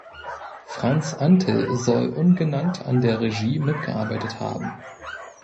Franz Antel soll ungenannt an der Regie mitgearbeitet haben.